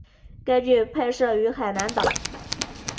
该剧拍摄于海南岛。